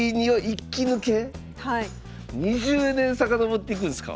２０年遡っていくんすか？